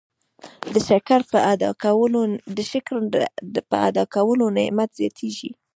د شکر په ادا کولو نعمت زیاتیږي.